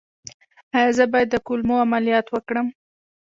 ایا زه باید د کولمو عملیات وکړم؟